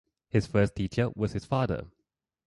His first teacher was his father.